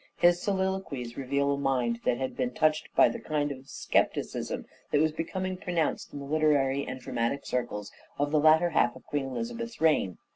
His soliloquies reveal a mind that had been touched by the kind of scepticism that was becoming pronounced in the literary and dramatic circles of the latter half of Queen Elizabeth's reign.